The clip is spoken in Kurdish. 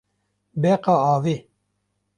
Beqa avê